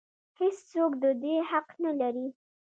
هېڅ څوک د دې حق نه لري.